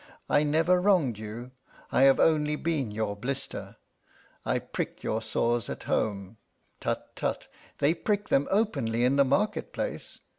I never wronged you; I have only been your blister. I prick your sores at home. Tut! tut! they prick them openly in the market place.